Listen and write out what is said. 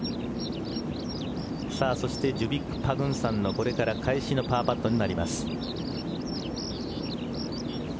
そしてジュビック・パグンサンのこれから返しのパーパットになります。